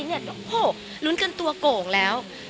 โอ้โหลุ้นกันตัวโก่งแล้ว